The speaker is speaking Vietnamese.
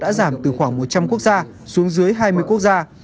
đã giảm từ khoảng một trăm linh quốc gia xuống dưới hai mươi quốc gia